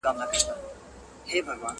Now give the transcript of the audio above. رساوه چي به یې مړی تر خپل ګوره!.